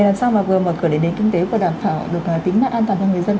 được tính mạng an toàn cho người dân